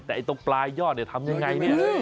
แต่ตรงปลายยอดทำอย่างไร